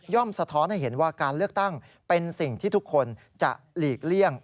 สะท้อนให้เห็นว่าการเลือกตั้งเป็นสิ่งที่ทุกคนจะหลีกเลี่ยง